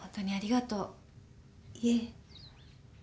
いえ。